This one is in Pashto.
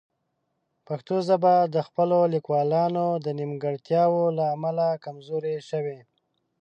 پښتو ژبه د خپلو لیکوالانو د نیمګړتیاوو له امله کمزورې شوې.